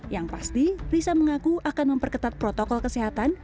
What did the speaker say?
yang pasti risa mengaku akan memperketat protokol kesehatan